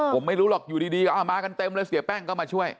ผมไม่รู้หรอกอยู่ดีก็เอามากันเต็มเลยเสียแป้งก็มาช่วย